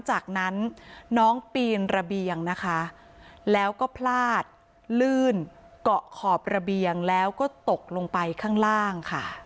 จากนั้นน้องปีนระเบียงนะคะแล้วก็พลาดลื่นเกาะขอบระเบียงแล้วก็ตกลงไปข้างล่างค่ะ